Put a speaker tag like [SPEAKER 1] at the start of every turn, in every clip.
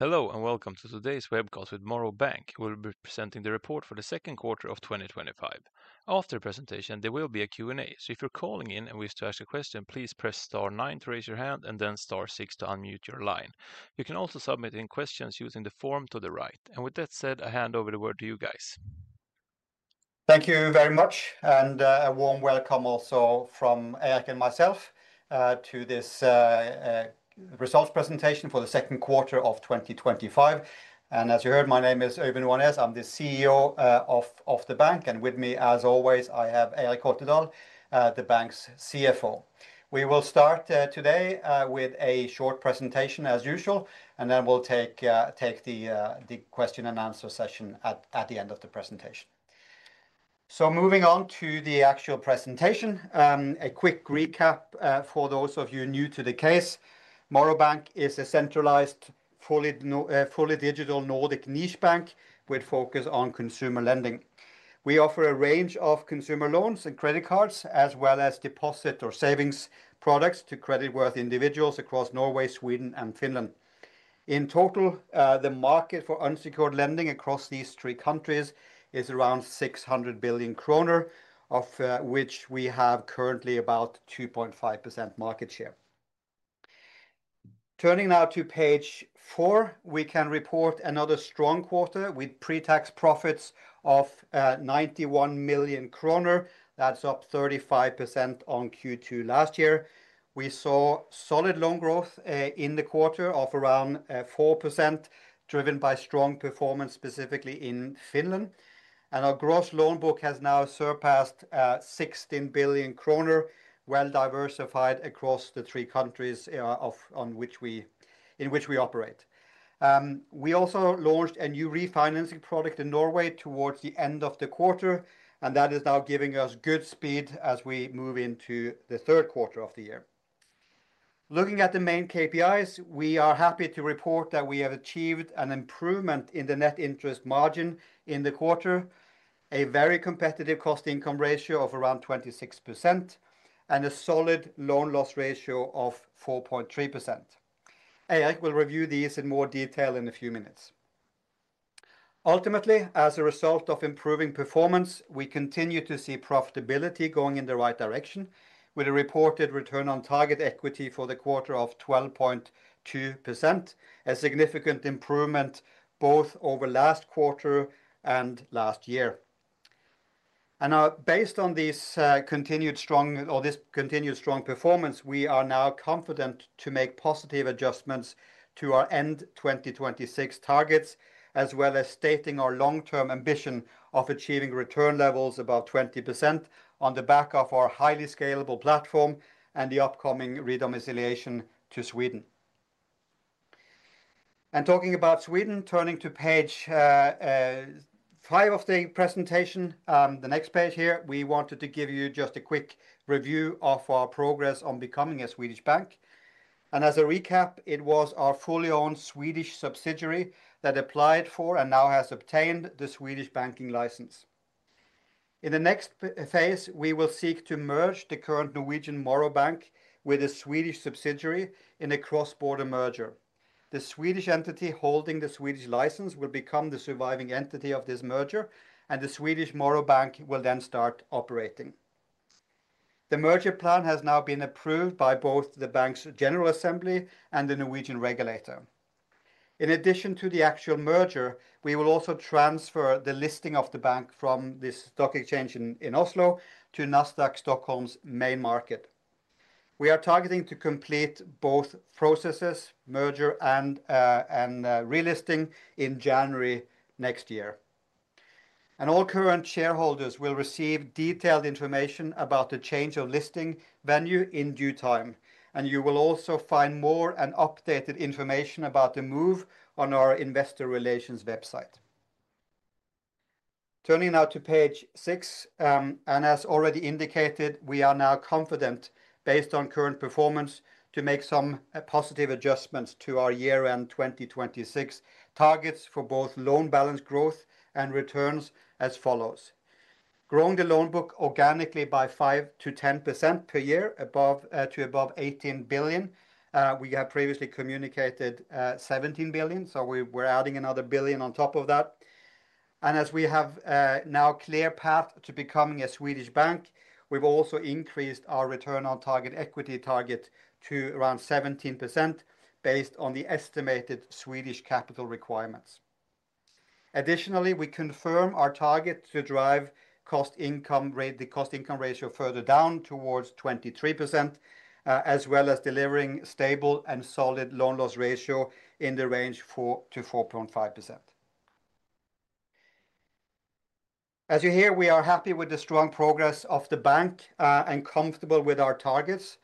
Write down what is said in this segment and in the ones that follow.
[SPEAKER 1] Hello, and welcome to today's webcast with Morrow Bank. We'll be presenting the report for the second quarter of 2025. After the presentation, there will be a Q&A. If you're calling in and wish to ask a question, please press star nine to raise your hand and then star six to unmute your line. You can also submit any questions using the form to the right. With that said, I hand over the word to you guys.
[SPEAKER 2] Thank you very much, and a warm welcome also from Eirik and myself, to this results presentation for the second quarter of 2025. As you heard, my name is Øyvind Oanes. I'm the CEO of the bank, and with me, as always, I have Eirik Holtedahl, the bank's CFO. We will start today with a short presentation, as usual, and then we'll take the question and answer session at the end of the presentation. Moving on to the actual presentation, a quick recap for those of you new to the case. Morrow Bank is a centralized, fully digital Nordic niche bank with a focus on consumer lending. We offer a range of consumer loans and credit cards, as well as deposit or savings products to credit-worthy individuals across Norway, Sweden, and Finland. In total, the market for unsecured lending across these three countries is around 600 billion kroner, of which we have currently about 2.5% market share. Turning now to page four, we can report another strong quarter with pre-tax profits of 91 million kroner. That's up 35% on Q2 last year. We saw solid loan growth in the quarter of around 4%, driven by strong performance specifically in Finland. Our gross loan book has now surpassed 16 billion kroner, well diversified across the three countries in which we operate. We also launched a new refinancing product in Norway towards the end of the quarter, and that is now giving us good speed as we move into the third quarter of the year. Looking at the main KPIs, we are happy to report that we have achieved an improvement in the net interest margin in the quarter, a very competitive cost-income ratio of around 26%, and a solid loan loss ratio of 4.3%. Eirik will review these in more detail in a few minutes. Ultimately, as a result of improving performance, we continue to see profitability going in the right direction, with a reported return on target equity for the quarter of 12.2%, a significant improvement both over the last quarter and last year. Based on this continued strong performance, we are now confident to make positive adjustments to our end 2026 targets, as well as stating our long-term ambition of achieving return levels above 20% on the back of our highly scalable platform and the upcoming redomiciliation to Sweden. Talking about Sweden, turning to page five of the presentation, the next page here, we wanted to give you just a quick review of our progress on becoming a Swedish bank. As a recap, it was our fully owned Swedish subsidiary that applied for and now has obtained the Swedish banking license. In the next phase, we will seek to merge the current Norwegian Morrow Bank with a Swedish subsidiary in a cross-border merger. The Swedish entity holding the Swedish license will become the surviving entity of this merger, and the Swedish Morrow Bank will then start operating. The merger plan has now been approved by both the bank's General Assembly and the Norwegian regulator. In addition to the actual merger, we will also transfer the listing of the bank from the stock exchange in Oslo to Nasdaq Stockholm's main market. We are targeting to complete both processes, merger and relisting, in January next year. All current shareholders will receive detailed information about the change of listing venue in due time. You will also find more and updated information about the move on our investor relations website. Turning now to page six, as already indicated, we are now confident, based on current performance, to make some positive adjustments to our year-end 2026 targets for both loan balance growth and returns as follows: growing the loan book organically by 5%-10% per year, to above 18 billion. We have previously communicated 17 billion, so we're adding another 1 billion on top of that. As we have now a clear path to becoming a Swedish bank, we've also increased our return on target equity target to around 17% based on the estimated Swedish capital requirements. Additionally, we confirm our target to drive the cost-income ratio further down towards 23%, as well as delivering a stable and solid loan loss ratio in the range of 4%-4.5%. As you hear, we are happy with the strong progress of the bank and comfortable with our targets.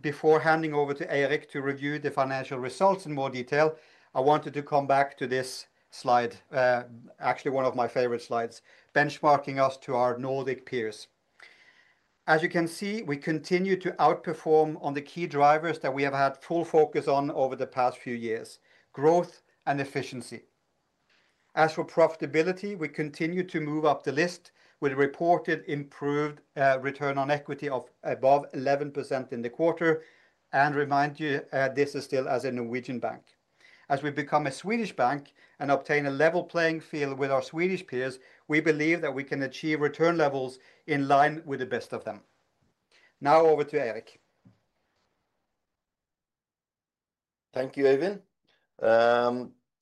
[SPEAKER 2] Before handing over to Eirik to review the financial results in more detail, I wanted to come back to this slide, actually one of my favorite slides, benchmarking us to our Nordic peers. As you can see, we continue to outperform on the key drivers that we have had full focus on over the past few years: growth and efficiency. As for profitability, we continue to move up the list with a reported improved return on equity of above 11% in the quarter. Remind you, this is still as a Norwegian bank. As we become a Swedish bank and obtain a level playing field with our Swedish peers, we believe that we can achieve return levels in line with the best of them. Now over to Eirik.
[SPEAKER 3] Thank you, Øyvind.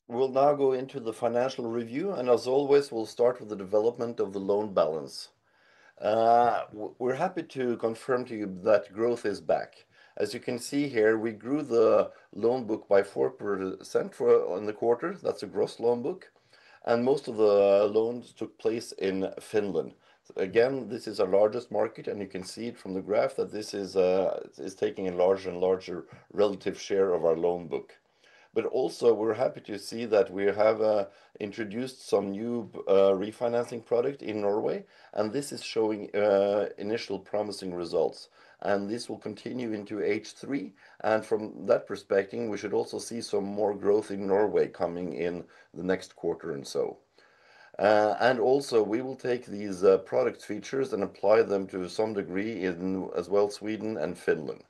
[SPEAKER 3] We'll now go into the financial review, and as always, we'll start with the development of the loan balance. We're happy to confirm to you that growth is back. As you can see here, we grew the loan book by 4% in the quarter. That's a gross loan book. Most of the loans took place in Finland. Again, this is our largest market, and you can see it from the graph that this is taking a larger and larger relative share of our loan book. We're happy to see that we have introduced some new refinancing products in Norway, and this is showing initial promising results. This will continue into H3. From that perspective, we should also see some more growth in Norway coming in the next quarter or so. We will take these product features and apply them to some degree in Sweden and Finland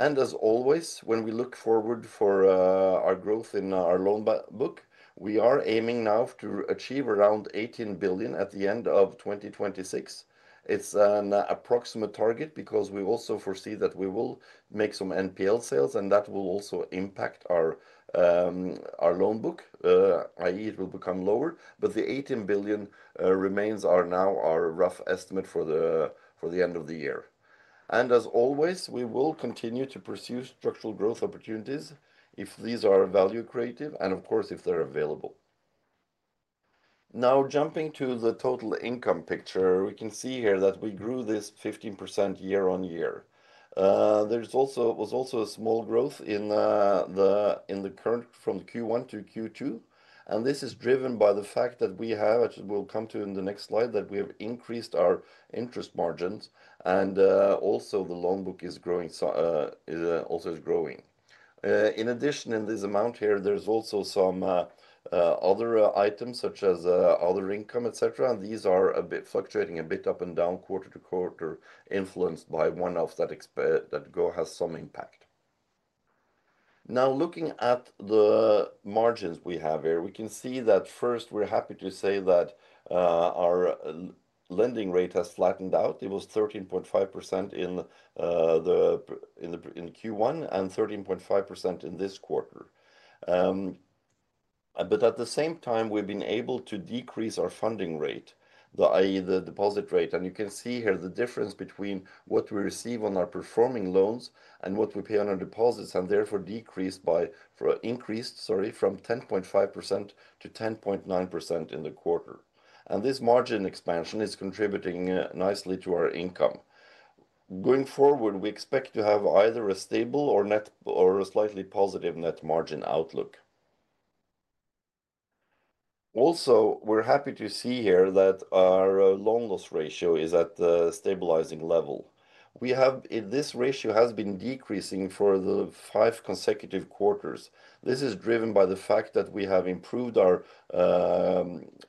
[SPEAKER 3] as well. As always, when we look forward to our growth in our loan book, we are aiming now to achieve around 18 billion at the end of 2026. It's an approximate target because we also foresee that we will make some NPL sales, and that will also impact our loan book, i.e., it will become lower. The 18 billion remains now our rough estimate for the end of the year. As always, we will continue to pursue structural growth opportunities if these are value-creating and, of course, if they're available. Now, jumping to the total income picture, we can see here that we grew this 15% year-on-year. There was also a small growth in the current from Q1 to Q2. This is driven by the fact that we have, as we'll come to in the next slide, increased our interest margins, and also the loan book is growing. In addition, in this amount here, there's also some other items such as other income, etc. These are fluctuating a bit up and down quarter to quarter, influenced by one-off that has some impact. Now, looking at the margins we have here, we can see that first, we're happy to say that our lending rate has flattened out. It was 13.5% in Q1 and 13.5% in this quarter. At the same time, we've been able to decrease our funding rate, i.e., the deposit rate. You can see here the difference between what we receive on our performing loans and what we pay on our deposits, and therefore decreased by, sorry, from 10.5%-10.9% in the quarter. This margin expansion is contributing nicely to our income. Going forward, we expect to have either a stable or a slightly positive net margin outlook. Also, we're happy to see here that our loan loss ratio is at a stabilizing level. This ratio has been decreasing for the five consecutive quarters. This is driven by the fact that we have improved our,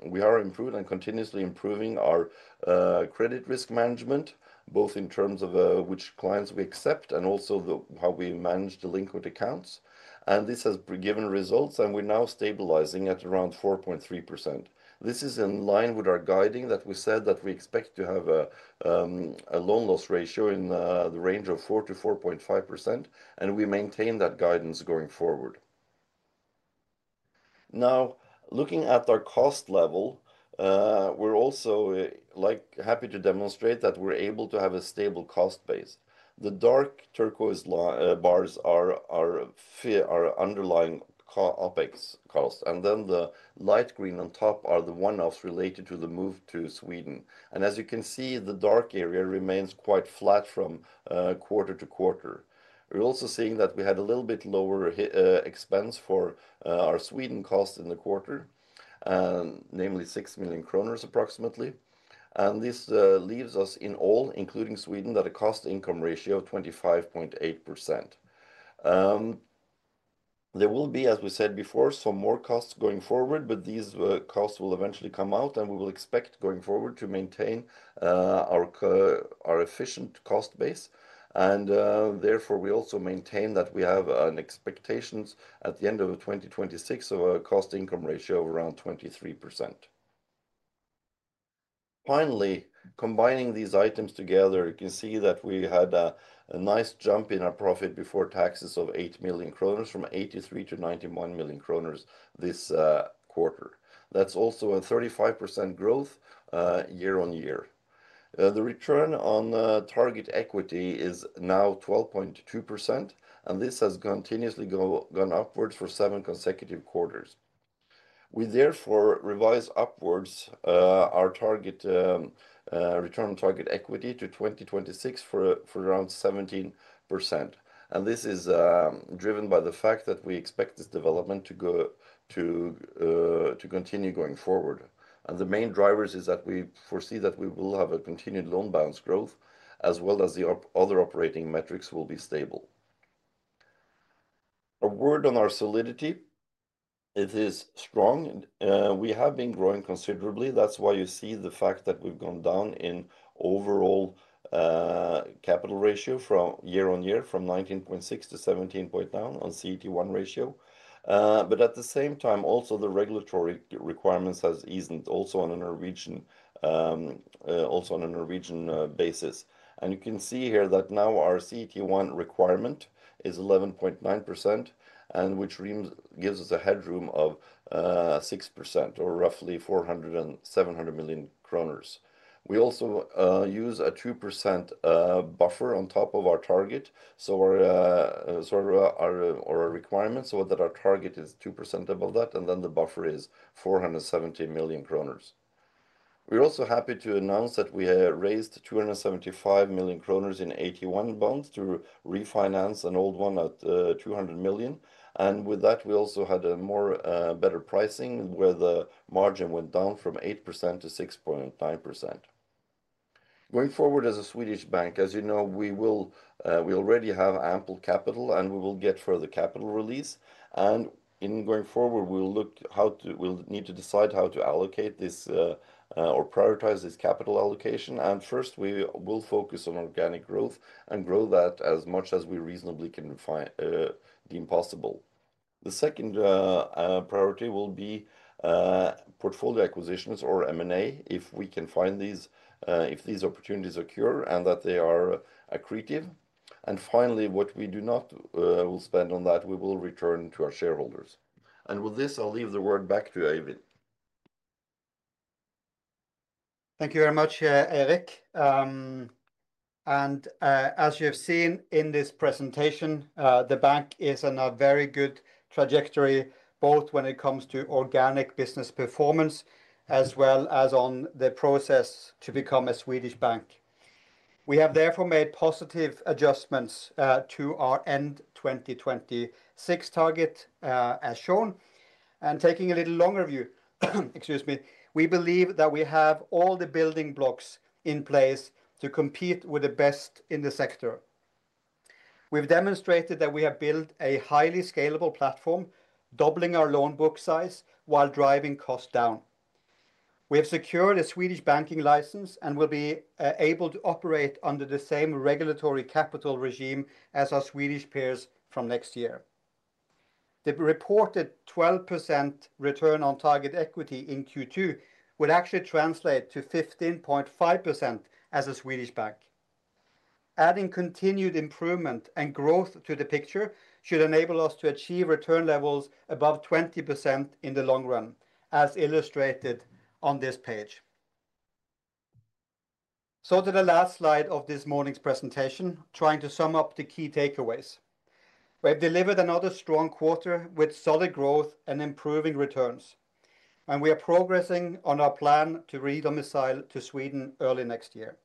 [SPEAKER 3] we are improving and continuously improving our credit risk management, both in terms of which clients we accept and also how we manage the liquid accounts. This has given results, and we're now stabilizing at around 4.3%. This is in line with our guiding that we said that we expect to have a loan loss ratio in the range of 4%-4.5%, and we maintain that guidance going forward. Now, looking at our cost level, we're also happy to demonstrate that we're able to have a stable cost base. The dark turquoise bars are our underlying OpEx cost, and then the light green on top are the one-offs related to the move to Sweden. As you can see, the dark area remains quite flat from quarter-to-quarter. We're also seeing that we had a little bit lower expense for our Sweden cost in the quarter, namely 6 million kroner approximately. This leaves us in all, including Sweden, at a cost-income ratio of 25.8%. There will be, as we said before, some more costs going forward, but these costs will eventually come out, and we will expect going forward to maintain our efficient cost base. Therefore, we also maintain that we have expectations at the end of 2026 of a cost-income ratio of around 23%. Finally, combining these items together, you can see that we had a nice jump in our profit before taxes of 8 million kroner from 83 million-91 million kroner this quarter. That's also a 35% growth year-on-year. The return on target equity is now 12.2%, and this has continuously gone upwards for seven consecutive quarters. We therefore revised upwards our return on target equity to 2026 for around 17%. This is driven by the fact that we expect this development to continue going forward. The main drivers are that we foresee that we will have a continued loan balance growth, as well as the other operating metrics will be stable. A word on our solidity. It is strong. We have been growing considerably. That's why you see the fact that we've gone down in overall capital ratio from year-on-year, from 19.6%-17.9% on CET1 ratio. At the same time, also the regulatory requirements have eased also on a Norwegian basis. You can see here that now our CET1 requirement is 11.9%, which gives us a headroom of 6% or roughly 400 million kroner and 700 million kroner. We also use a 2% buffer on top of our target, so our requirements so that our target is 2% above that, and then the buffer is 470 million kroner. We're also happy to announce that we raised 275 million kroner in AT1 bonds to refinance an old one at 200 million. With that, we also had a better pricing where the margin went down from 8%-6.9%. Going forward as a Swedish bank, as you know, we already have ample capital, and we will get further capital release. In going forward, we'll need to decide how to allocate this or prioritize this capital allocation. First, we will focus on organic growth and grow that as much as we reasonably can deem possible. The second priority will be portfolio acquisitions or M&A if we can find these, if these opportunities occur and that they are accretive. Finally, what we do not spend on that, we will return to our shareholders. With this, I'll leave the word back to Øyvind.
[SPEAKER 2] Thank you very much, Eirik. As you have seen in this presentation, the bank is on a very good trajectory, both when it comes to organic business performance as well as on the process to become a Swedish bank. We have therefore made positive adjustments to our end 2026 target, as shown. Taking a little longer view, we believe that we have all the building blocks in place to compete with the best in the sector. We've demonstrated that we have built a highly scalable platform, doubling our loan book size while driving costs down. We have secured a Swedish banking license and will be able to operate under the same regulatory capital regime as our Swedish peers from next year. The reported 12% return on target equity in Q2 would actually translate to 15.5% as a Swedish bank. Adding continued improvement and growth to the picture should enable us to achieve return levels above 20% in the long run, as illustrated on this page. To the last slide of this morning's presentation, trying to sum up the key takeaways. We have delivered another strong quarter with solid growth and improving returns. We are progressing on our plan to redomicile to Sweden early next year.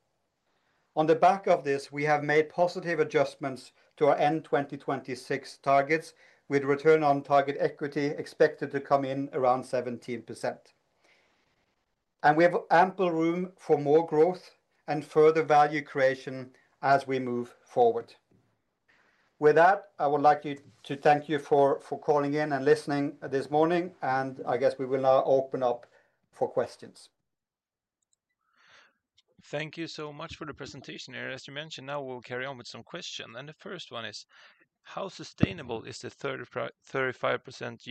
[SPEAKER 2] On the back of this, we have made positive adjustments to our end 2026 targets with return on target equity expected to come in around 17%. We have ample room for more growth and further value creation as we move forward. With that, I would like to thank you for calling in and listening this morning, and I guess we will now open up for questions.
[SPEAKER 1] Thank you so much for the presentation, Eirik. As you mentioned, now we'll carry on with some questions. The first one is, how sustainable is the 35%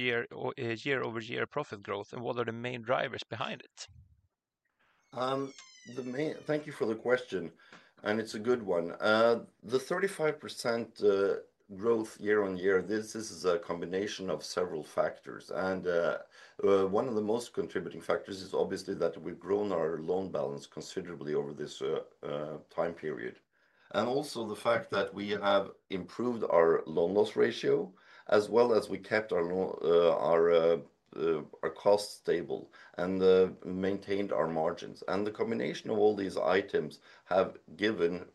[SPEAKER 1] year-over-year profit growth, and what are the main drivers behind it?
[SPEAKER 3] Thank you for the question, and it's a good one. The 35% growth year-on-year is a combination of several factors. One of the most contributing factors is obviously that we've grown our loan balance considerably over this time period. Also, the fact that we have improved our loan loss ratio, as well as kept our costs stable and maintained our margins. The combination of all these items has given,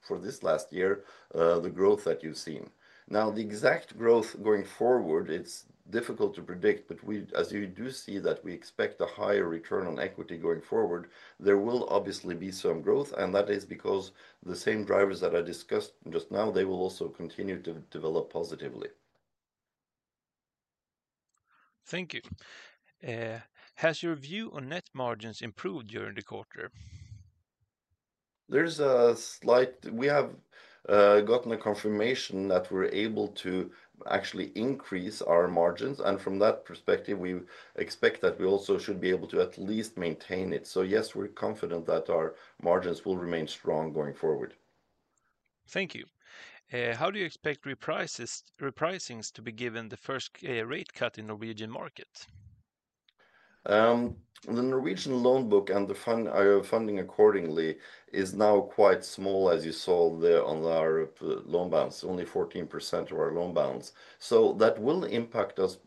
[SPEAKER 3] for this last year, the growth that you've seen. Now, the exact growth going forward is difficult to predict, but as you do see that we expect a higher return on equity going forward, there will obviously be some growth, and that is because the same drivers that I discussed just now will also continue to develop positively.
[SPEAKER 1] Thank you. Has your view on net margins improved during the quarter?
[SPEAKER 3] We have gotten a confirmation that we're able to actually increase our margins, and from that perspective, we expect that we also should be able to at least maintain it. Yes, we're confident that our margins will remain strong going forward.
[SPEAKER 1] Thank you. How do you expect repricings to be given the first rate cut in the Norwegian market?
[SPEAKER 3] The Norwegian loan book and the funding accordingly is now quite small, as you saw there on our loan balance, only 14% of our loan balance. That will impact us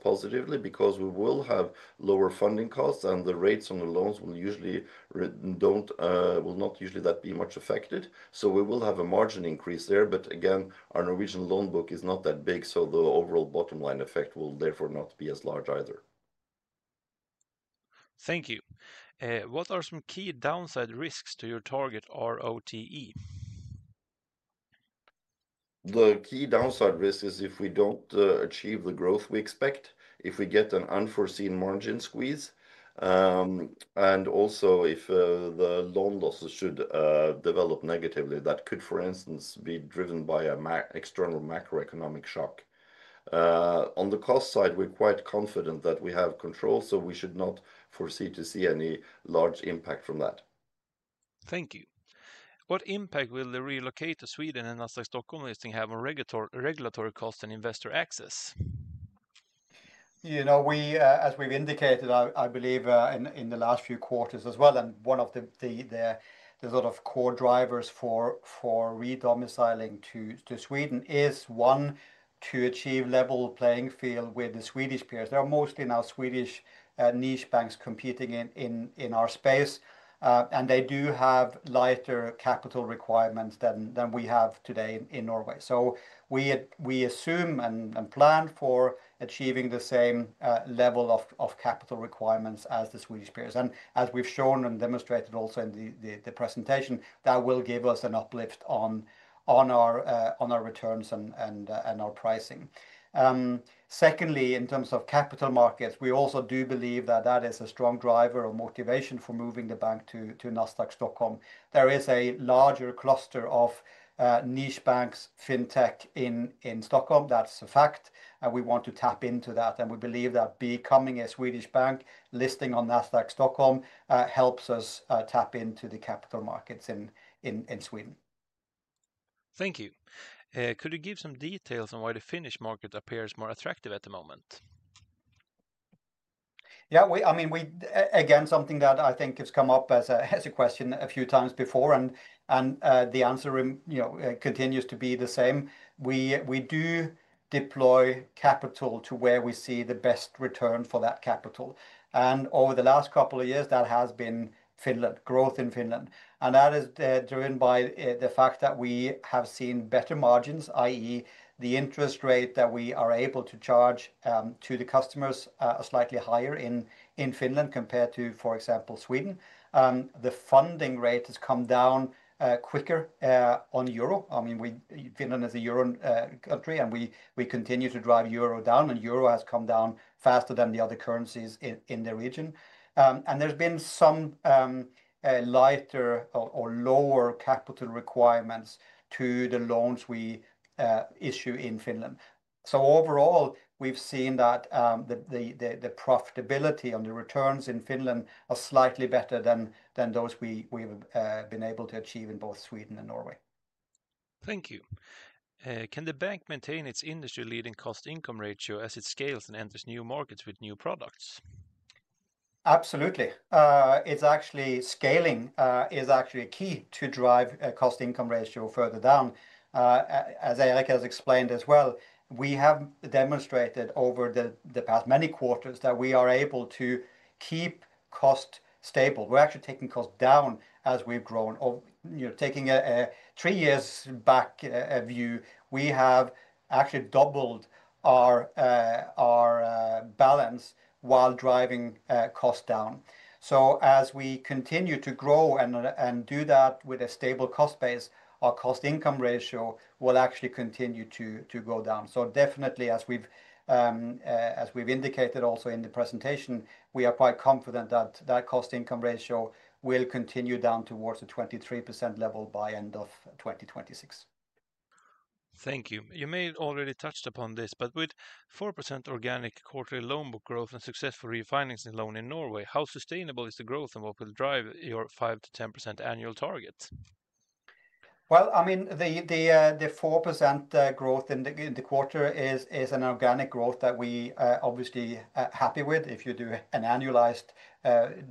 [SPEAKER 3] positively because we will have lower funding costs, and the rates on the loans will usually not be that much affected. We will have a margin increase there, but again, our Norwegian loan book is not that big, so the overall bottom line effect will therefore not be as large either.
[SPEAKER 1] Thank you. What are some key downside risks to your target return on target equity?
[SPEAKER 3] The key downside risk is if we don't achieve the growth we expect, if we get an unforeseen margin squeeze, and also if the loan losses should develop negatively. That could, for instance, be driven by an external macroeconomic shock. On the cost side, we're quite confident that we have control, so we should not foresee to see any large impact from that.
[SPEAKER 1] Thank you. What impact will the relocate to Sweden and Nasdaq Stockholm listing have on regulatory costs and investor access?
[SPEAKER 2] As we've indicated, I believe in the last few quarters as well, one of the core drivers for redomiciling to Sweden is to achieve a level playing field with the Swedish peers. There are mostly now Swedish niche banks competing in our space, and they do have lighter capital requirements than we have today in Norway. We assume and plan for achieving the same level of capital requirements as the Swedish peers. As we've shown and demonstrated also in the presentation, that will give us an uplift on our returns and our pricing. Secondly, in terms of capital markets, we also believe that is a strong driver or motivation for moving the bank to Nasdaq Stockholm. There is a larger cluster of niche banks, fintech in Stockholm. That's a fact, and we want to tap into that. We believe that becoming a Swedish bank listing on Nasdaq Stockholm helps us tap into the capital markets in Sweden.
[SPEAKER 1] Thank you. Could you give some details on why the Finnish market appears more attractive at the moment?
[SPEAKER 2] Yeah, I mean, again, something that I think has come up as a question a few times before, and the answer continues to be the same. We do deploy capital to where we see the best return for that capital. Over the last couple of years, that has been growth in Finland. That is driven by the fact that we have seen better margins, i.e., the interest rate that we are able to charge to the customers is slightly higher in Finland compared to, for example, Sweden. The funding rate has come down quicker on euro. Finland is a euro country, and we continue to drive euro down, and euro has come down faster than the other currencies in the region. There have been some lighter or lower capital requirements to the loans we issue in Finland. Overall, we've seen that the profitability and the returns in Finland are slightly better than those we have been able to achieve in both Sweden and Norway.
[SPEAKER 1] Thank you. Can the bank maintain its industry-leading cost-income ratio as it scales and enters new markets with new products?
[SPEAKER 2] Absolutely. It's actually scaling is actually key to drive a cost-income ratio further down. As Eirik has explained as well, we have demonstrated over the past many quarters that we are able to keep costs stable. We're actually taking costs down as we've grown. Taking a three years back view, we have actually doubled our balance while driving costs down. As we continue to grow and do that with a stable cost base, our cost-income ratio will actually continue to go down. Definitely, as we've indicated also in the presentation, we are quite confident that that cost-income ratio will continue down towards a 23% level by the end of 2026.
[SPEAKER 1] Thank you. You may have already touched upon this, but with 4% organic quarterly loan book growth and successful refinancing product in Norway, how sustainable is the growth and what will drive your 5%-10% annual targets?
[SPEAKER 2] The 4% growth in the quarter is an organic growth that we are obviously happy with. If you do an annualized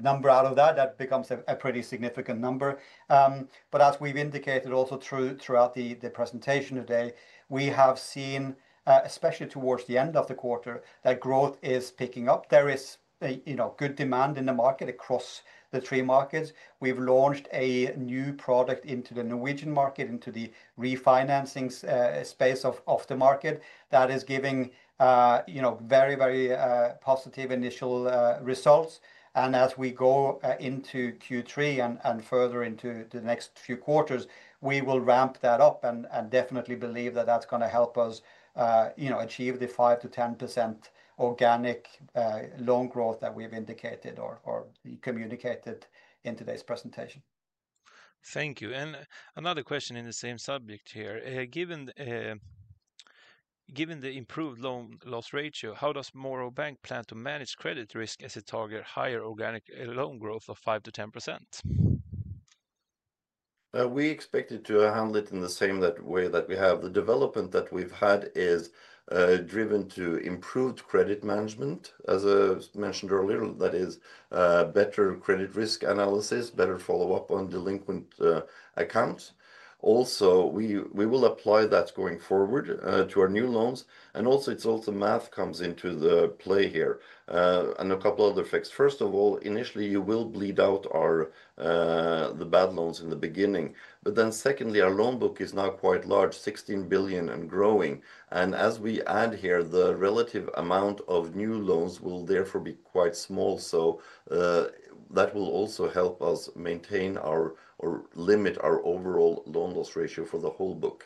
[SPEAKER 2] number out of that, that becomes a pretty significant number. As we've indicated also throughout the presentation today, we have seen, especially towards the end of the quarter, that growth is picking up. There is good demand in the market across the three markets. We've launched a new product into the Norwegian market, into the refinancing space of the market that is giving very, very positive initial results. As we go into Q3 and further into the next few quarters, we will ramp that up and definitely believe that that's going to help us achieve the 5%-10% organic loan growth that we have indicated or communicated in today's presentation.
[SPEAKER 1] Thank you. Another question in the same subject here. Given the improved loan loss ratio, how does Morrow Bank ASA plan to manage credit risk as it targets higher organic loan book growth of 5%-10%?
[SPEAKER 3] We expect it to handle it in the same way that we have. The development that we've had is driven to improved credit management. As I mentioned earlier, that is better credit risk analysis, better follow-up on delinquent accounts. Also, we will apply that going forward to our new loans. It's also math that comes into play here and a couple of other facts. First of all, initially, you will bleed out the bad loans in the beginning. Secondly, our loan book is now quite large, 16 billion and growing. As we add here, the relative amount of new loans will therefore be quite small. That will also help us maintain or limit our overall loan loss ratio for the whole book.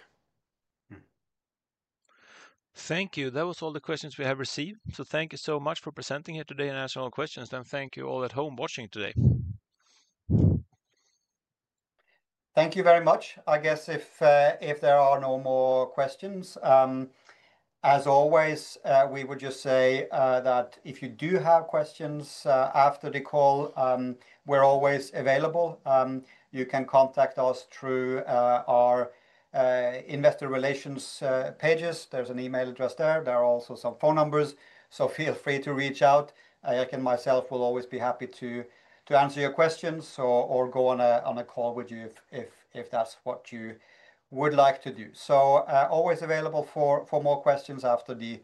[SPEAKER 1] Thank you. That was all the questions we have received. Thank you so much for presenting here today and answering all questions. Thank you all at home watching today.
[SPEAKER 2] Thank you very much. I guess if there are no more questions, as always, we would just say that if you do have questions after the call, we're always available. You can contact us through our investor relations pages. There's an email address there. There are also some phone numbers, so feel free to reach out. Eirik and myself will always be happy to answer your questions or go on a call with you if that's what you would like to do. Always available for more questions after the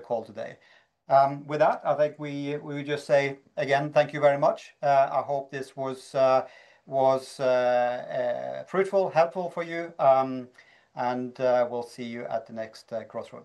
[SPEAKER 2] call today. With that, I think we would just say again, thank you very much. I hope this was fruitful, helpful for you, and we'll see you at the next crossroads.